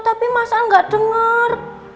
tapi mas an gak denger